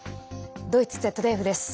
ドイツＺＤＦです。